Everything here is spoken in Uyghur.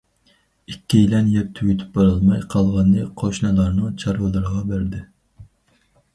ئىككىيلەن يەپ تۈگىتىپ بولالماي، قالغىنىنى قوشنىلارنىڭ چارۋىلىرىغا بەردى.